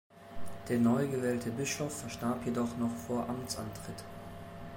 Der neu gewählte Bischof verstarb jedoch noch vor Amtsantritt.